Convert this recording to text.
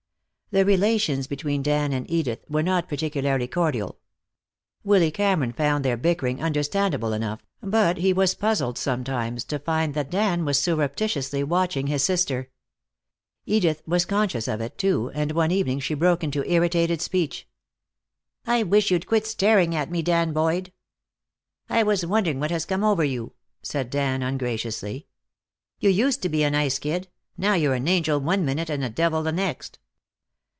The relations between Dan and Edith were not particularly cordial. Willy Cameron found their bickering understandable enough, but he was puzzled, sometimes, to find that Dan was surreptitiously watching his sister. Edith was conscious of it, too, and one evening she broke into irritated speech. "I wish you'd quit staring at me, Dan Boyd." "I was wondering what has come over you," said Dan, ungraciously. "You used to be a nice kid. Now you're an angel one minute and a devil the next."